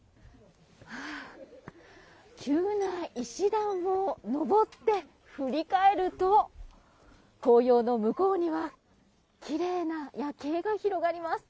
急な石段を上って振り返ると紅葉の向こうにはきれいな夜景が広がります。